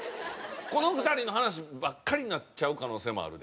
この２人の話ばっかりになっちゃう可能性もあるで。